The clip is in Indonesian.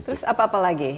terus apa apa lagi